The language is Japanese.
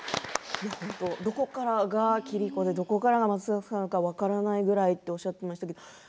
どこからが桐子でどこからが松坂さんか分からないぐらいとおっしゃっていました。